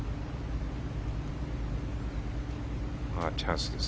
チャンスです。